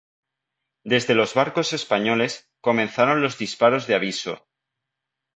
Desde los barcos españoles, comenzaron los disparos de aviso.